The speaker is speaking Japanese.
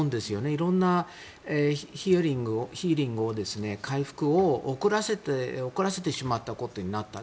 いろんなヒーリング、回復を遅らせてしまったことになった。